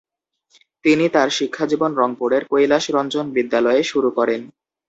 তিনি তার শিক্ষা জীবন রংপুরের কৈলাস রঞ্জন বিদ্যালয়ে শুরু করেন।